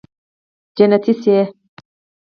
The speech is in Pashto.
جنتي شې